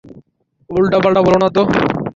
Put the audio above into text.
উল্টাপাল্টা বলো না তো।